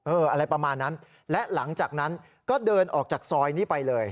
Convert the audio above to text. อะไรประมาณนั้นและหลังจากนั้นก็เดินออกจากซอยนี้ไปเลย